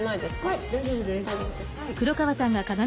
はい大丈夫です。